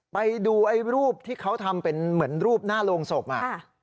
ไปดูไอ้รูปที่เขาทำเป็นเหมือนรูปหน้าโรงศพอ่ะ